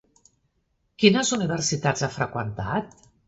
Quines universitats ha freqüentat?